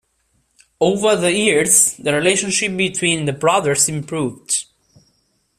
Over the years, the relationship between the brothers improved.